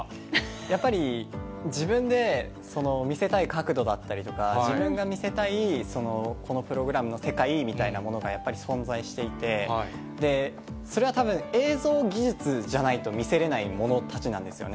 やっぱり、自分で見せたい角度だったりとか、自分が見せたい、このプログラムの世界みたいなものがやっぱり存在していて、それはたぶん映像技術じゃないと見せれないものたちなんですよね。